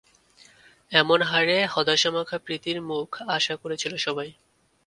এমন হারে হতাশামাখা প্রীতির মুখ আশা করেছিল সবাই।